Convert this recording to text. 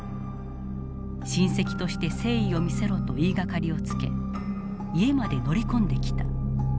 「親戚として誠意を見せろ」と言いがかりをつけ家まで乗り込んできた。